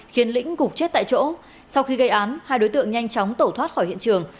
khiến lĩnh gục chết tại chỗ sau khi gây án hai đối tượng nhanh chóng tẩu thoát khỏi hiện trường